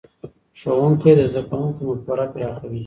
ښوونکی د زدهکوونکو مفکوره پراخوي.